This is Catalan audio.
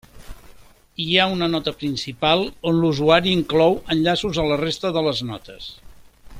Hi ha una nota principal on l'usuari inclou enllaços a la resta de les notes.